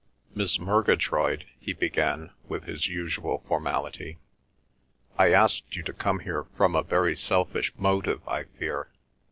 "Miss Murgatroyd," he began with his usual formality, "I asked you to come here from a very selfish motive, I fear.